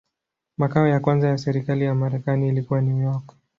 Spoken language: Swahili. Makao ya kwanza ya serikali ya Marekani ilikuwa New York.